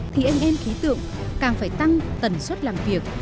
thì anh em khí tượng càng phải tăng tần suất làm việc